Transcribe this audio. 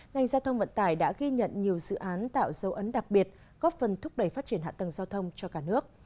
ngành giao thông vận tải đã ghi nhận nhiều dự án tạo dấu ấn đặc biệt góp phần thúc đẩy phát triển hạ tầng giao thông cho cả nước